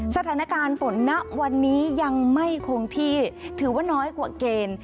สถานการณ์ฝนณวันนี้ยังไม่คงที่ถือว่าน้อยกว่าเกณฑ์